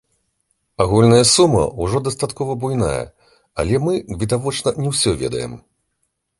Агульная сума ўжо дастаткова буйная, але мы, відавочна, не ўсё ведаем.